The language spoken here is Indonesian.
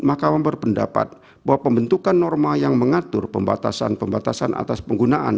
mahkamah berpendapat bahwa pembentukan norma yang mengatur pembatasan pembatasan atas penggunaan